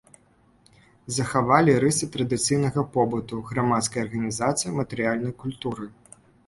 Захавалі рысы традыцыйнага побыту, грамадскай арганізацыі, матэрыяльнай культуры.